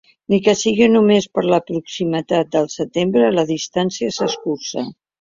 Ni que siga només per la proximitat del setembre, la distància s’acurta.